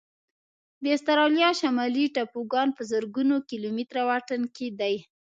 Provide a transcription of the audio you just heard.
د استرالیا شمالي ټاپوګان په زرګونو کيلومتره واټن کې دي.